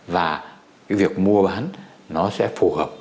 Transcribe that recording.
và cái việc mua bán nó sẽ phù hợp